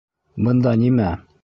Бында нимә?